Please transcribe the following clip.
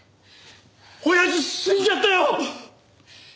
親父死んじゃったよ！